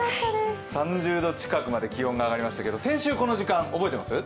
３０度近くまで気温が上がりましたけど、先週この時間、覚えてます？